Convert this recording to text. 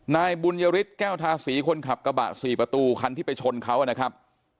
นายบุญยฤทธิแก้วทาสีคนขับกระบะ๔ประตูคันที่ไปชนเขานะครับ